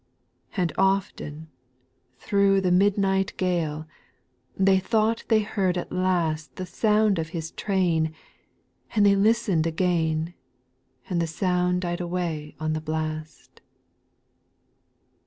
6. And often, through the midnight gale, They thought they heard at last The sound of His train, and they listened again, — And the sound died away on the blast.